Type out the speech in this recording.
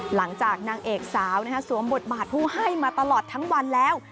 หลังจากนางเอกสาวสวมบทบาทผู้ให้มาตลอดทั้งวันแล้ว